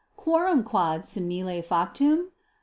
Quorum quod simile factum?